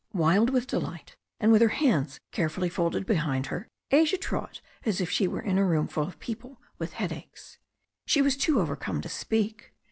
Wild with delight, and with her hands carefully folded behind her, Asia trod as if she were in a room full of people with headaches. She was too overcome to speak.